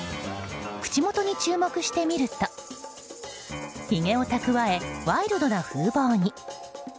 口元に注目してみるとひげを蓄え、ワイルドな風貌に。